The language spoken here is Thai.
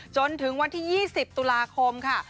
จนถึงวันที่๒๐ตุลาคมค่ะ